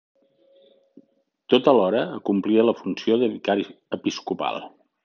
Tot alhora, acomplia la funció de vicari episcopal.